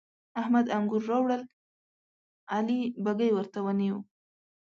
احمد انګور راوړل؛ علي بږۍ ورته ونيو.